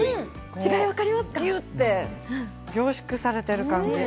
ギュって凝縮されている感じ。